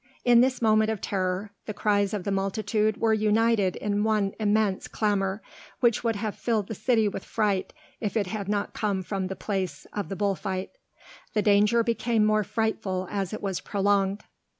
In this moment of terror, the cries of the multitude were united in one immense clamor, which would have filled the city with fright if it had not come from the place of the bull fight. The danger became more frightful as it was prolonged.